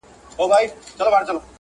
وروسته ئې وويل.